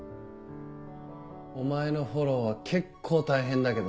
お前のフォローは結構大変だけどな。